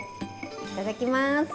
いただきます。